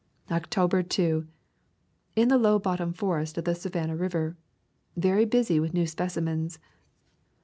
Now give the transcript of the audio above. October 2. In the low bottom forest of the Savannah River. Very busy with new speci mens.